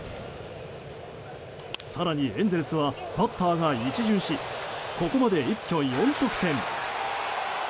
更にエンゼルスはバッターが一巡しここまで一挙４得点。